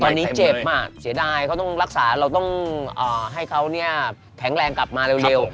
ตอนนี้เจ็บมากเสียดายเขาต้องรักษาเราต้องให้เขาแข็งแรงกลับมาเร็ว